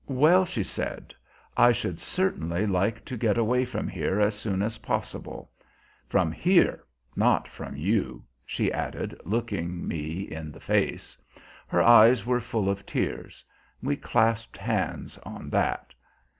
"Well," she said, "I should certainly like to get away from here as soon as possible. From here, not from you!" she added, looking me in the face. Her eyes were full of tears. We clasped hands on that.